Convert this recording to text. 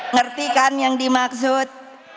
ngerti kan yang dimaksud